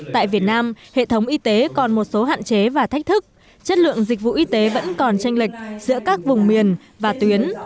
tại việt nam hệ thống y tế còn một số hạn chế và thách thức chất lượng dịch vụ y tế vẫn còn tranh lệch giữa các vùng miền và tuyến